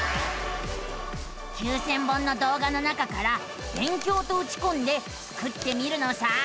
９，０００本の動画の中から「勉強」とうちこんでスクってみるのさあ。